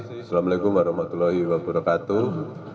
assalamu'alaikum warahmatullahi wabarakatuh